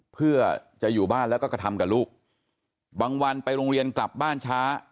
เพื่อจะอยู่บ้านแล้วก็กระทำกับลูกบางวันไปโรงเรียนกลับบ้านช้า